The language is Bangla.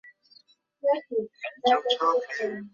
সমস্যার মধ্যে সমাধান আছে বলিস!